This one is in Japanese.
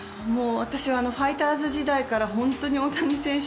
私はファイターズ時代から本当に大谷選手